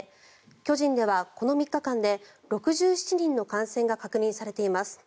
巨人ではこの３日間で６７人の感染が確認されています。